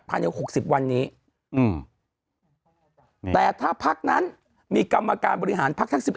๖๐วันนี้แต่ถ้าพักนั้นมีกรรมการบริหารพักทั้ง๑๑